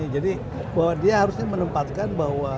jadi dia harus menempatkan bahwa